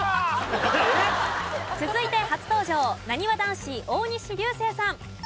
続いて初登場なにわ男子大西流星さん。